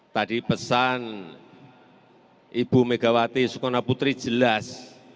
tadi pesan ibu megawati sukonaputri jelas